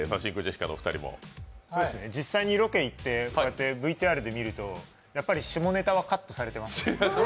実際にロケ行ってＶＴＲ見てみるとやっぱ下ネタはカットされてますね。